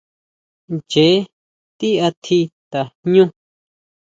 Ncheé ti atji tajñu.